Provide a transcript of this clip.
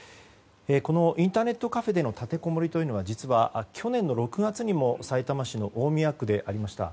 このインターネットカフェでの立てこもりというのは実は、去年の６月にもさいたま市の大宮区でありました。